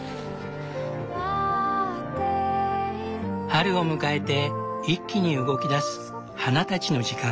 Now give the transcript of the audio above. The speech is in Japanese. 春を迎えて一気に動きだす花たちの時間。